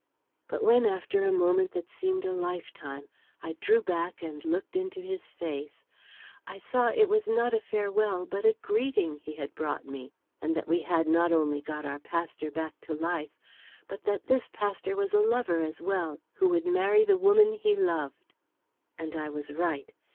But when, after a moment that seemed a lifetime, I drew back and looked into his face, I saw it was not a farewell, but a greeting, he had brought me, and that we had not only got our pastor back to life, but that this pastor was a lover as well, who would marry the woman he loved. "And I was right.